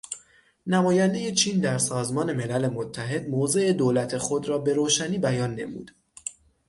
نمایندهٔ چین در سازمان ملل متحد موضع دولت خود را بروشنی بیان نمود.